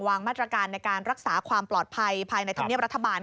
วางมาตรการในการรักษาความปลอดภัยภายในธรรมเนียบรัฐบาล